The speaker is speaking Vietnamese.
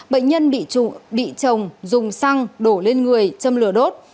bệnh nhân bị chồng dùng xăng đổ lên người châm lửa đốt